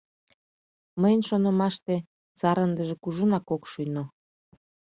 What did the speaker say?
Мыйын шонымаште, сар ындыже кужунак ок шуйно.